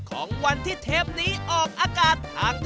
ของวันที่เทปนี้ออกอากาศทาง